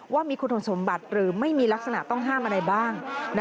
ว่ามีคุณสมบัติหรือไม่มีลักษณะต้องห้ามอะไรบ้าง